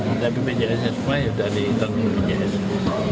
ada bpjs nya semua ya sudah ditanggung bpjs